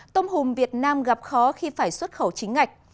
tôm hùm việt nam gặp khó khi phải xuất khẩu chính ngạch